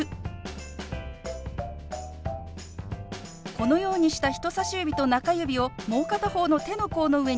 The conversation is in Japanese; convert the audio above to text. このようにした人さし指と中指をもう片方の手の甲の上にポンとのせます。